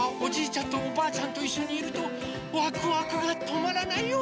ちゃんとおばあちゃんといっしょにいるとワクワクがとまらないよ。